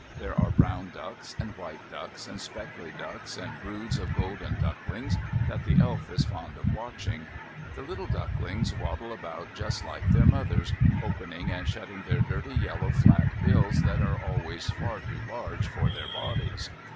There are brown ducks, and white ducks, and speckly ducks, and broods of golden ducklings, that the Elf is fond of watching. The little ducklings waddle about just like their mothers, opening and shutting their dirty yellow flat bills that are always far too large for their bodies.